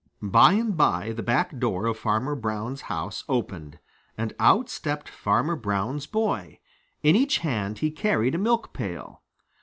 By and by the back door of Farmer Brown's house opened, and out stepped Farmer Brown's boy. In each hand he carried a milk pail.